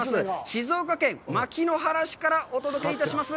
静岡県牧之原市からお届けいたします。